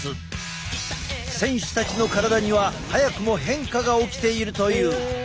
選手たちの体には早くも変化が起きているという。